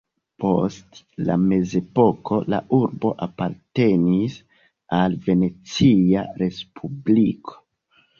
Post la mezepoko la urbo apartenis al Venecia respubliko.